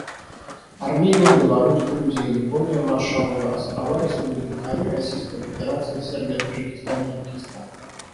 Армения, Беларусь, Грузия, Япония, Маршалловы Острова, Республика Корея, Российская Федерация, Сербия, Таджикистан, Узбекистан.